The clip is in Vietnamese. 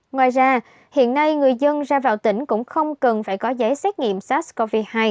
ngoài ra hiện nay người dân ra vào tỉnh cũng không cần phải có giấy xét nghiệm sars cov hai